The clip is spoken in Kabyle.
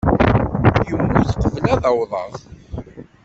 Yemmut qbel ad awḍeɣ.